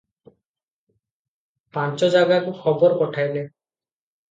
ପାଞ୍ଚ ଜାଗାକୁ ଖବର ପଠାଇଲେ ।